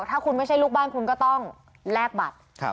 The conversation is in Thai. ถ้าคุณไม่ใช่ลูกบ้านคุณก็ต้องแลกบัตร